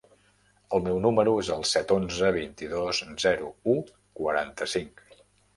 El meu número es el set, onze, vint-i-dos, zero, u, quaranta-cinc.